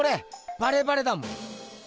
バレバレだもん。